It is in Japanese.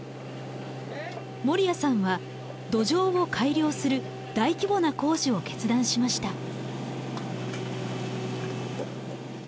守屋さんは土壌を改良する大規模な工事を決断しました。